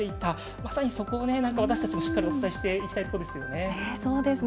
まさにそこを私たちもお伝えしていきたいところですね。